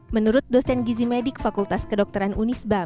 menurut dosen gizi medik fakultas kedokteran unisba